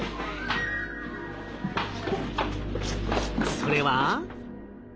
それは？